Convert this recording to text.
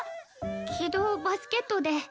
昨日バスケットで。